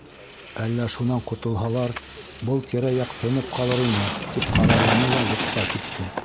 Әллә шунан ҡотолһалар, был тирә-яҡ тынып ҡалыр ине, тип ҡарарланы ла йоҡоға китте.